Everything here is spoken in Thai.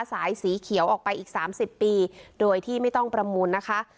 สายสีเขียวออกไปอีกสามสิบปีโดยที่ไม่ต้องประมวลนะคะ